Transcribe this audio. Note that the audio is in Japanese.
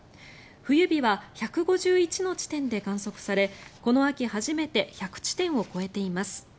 冬日は１５１の地点で観測されこの秋初めて１００地点を超えています。